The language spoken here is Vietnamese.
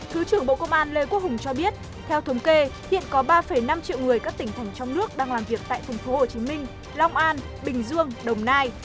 thứ trưởng bộ công an lê quốc hùng cho biết theo thống kê hiện có ba năm triệu người các tỉnh thành trong nước đang làm việc tại phùng phố hồ chí minh long an bình dương đồng nai